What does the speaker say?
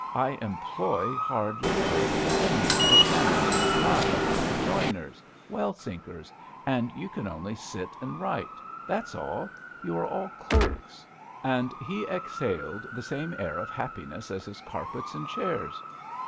I employ hard labour; I need mechanics, navvies, joiners, well sinkers, and you can only sit and write. That's all! You are all clerks!" And he exhaled the same air of happiness as his carpets and chairs.